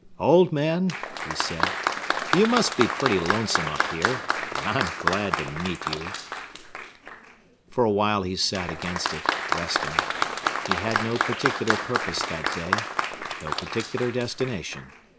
"Old Man," he said, "You must be pretty lonesome up here, and I'm glad to meet you." For a while he sat against it resting. He had no particular purpose that day no particular destination.